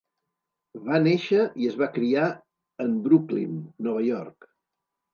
Va néixer i es va criar en Brooklyn, Nova York.